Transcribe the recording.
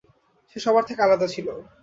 সে সবার থেকে আলাদা ছিল।